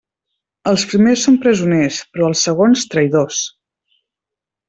Els primers són presoners, però els segons traïdors.